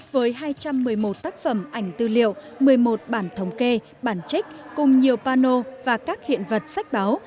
với hai trăm một mươi một tác phẩm ảnh tư liệu một mươi một bản thống kê bản trích cùng nhiều pano và các hiện vật sách báo